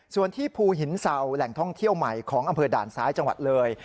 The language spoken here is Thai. ส่วนที่ภูหินเศร้าแหล่งท่องเที่ยวใหม่ของอำเภอด่านซ้ายจังหวัดเลย